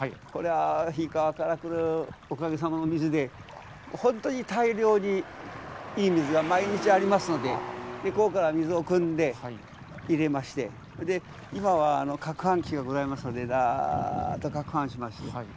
これは斐伊川から来るおかげさまの水でほんとに大量にいい水が毎日ありますのでここから水をくんで入れましてそれで今はかくはん機がございますのでざっとかくはんしまして。